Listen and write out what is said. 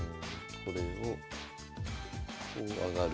これをこう上がる。